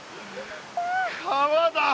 川だ！